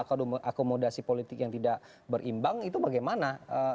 kalau aku modasi politik yang tidak berimbang itu bagaimana